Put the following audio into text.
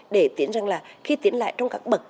để tiến rằng là khi tiến lại trong các bậc